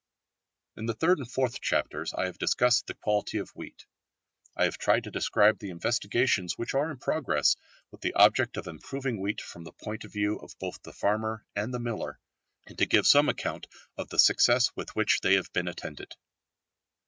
In the third and fourth chapters I have discussed the quality of wheat. I have tried to describe the investigations which are in progress with the object of improving wheat from the point of view of both the farmer and the miller, and to give some account of the success with which they have been attended.